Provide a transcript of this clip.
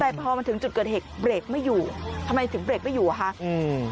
แต่พอมาถึงจุดเกิดเหตุเบรกไม่อยู่ทำไมถึงเบรกไม่อยู่อ่ะคะอืม